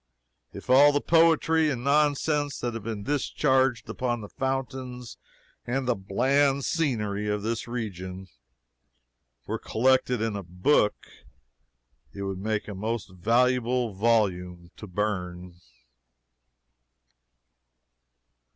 If all the poetry and nonsense that have been discharged upon the fountains and the bland scenery of this region were collected in a book, it would make a most valuable volume to burn.